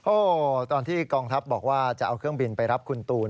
โอ้โหตอนที่กองทัพบอกว่าจะเอาเครื่องบินไปรับคุณตูน